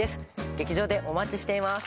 劇場でお待ちしています